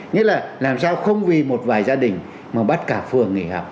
nghĩa là làm sao không vì một vài gia đình mà bắt cả phường nghỉ học